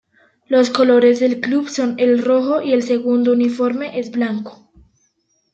Los colores del club son el rojo y el segundo uniforme es blanco.